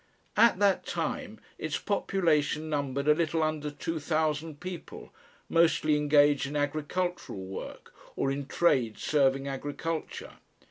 At that time its population numbered a little under two thousand people, mostly engaged in agricultural work or in trades serving agriculture.